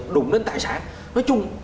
đụng đến tài sản nói chung